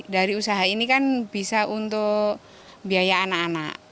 dari usaha ini kan bisa untuk biaya anak anak